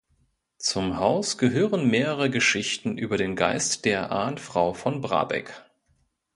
Zum Haus gehören mehrere Geschichten über den Geist der Ahnfrau von Brabeck.